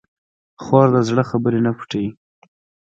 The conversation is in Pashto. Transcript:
خور د زړه خبرې نه پټوي.